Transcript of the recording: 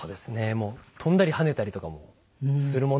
もう飛んだり跳ねたりとかもするものもありますね。